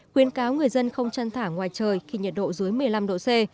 khuyên cáo người dân không chăn thả ngoài trời khi nhiệt độ dưới một mươi năm độ c